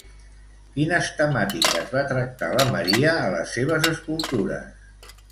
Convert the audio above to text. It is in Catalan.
Quines temàtiques va tractar la Maria a les seves escultures?